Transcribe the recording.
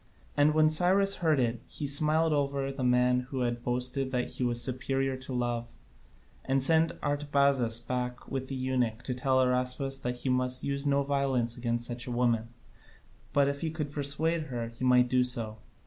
And when Cyrus heard it he smiled over the man who had boasted that he was superior to love, and sent Artabazus back with the eunuch to tell Araspas that he must use no violence against such a woman, but if he could persuade her, he might do so.